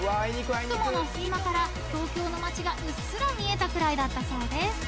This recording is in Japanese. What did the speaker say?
［雲の隙間から東京の街がうっすら見えたくらいだったそうです］